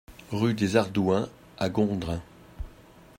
Rue des Ardouens à Gondrin